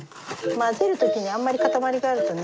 混ぜる時にあんまり塊があるとね。